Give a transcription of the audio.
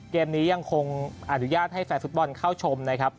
เกมนี้ยังคงอนุญาตให้แฟนฟุตบอลเข้าชมนะครับ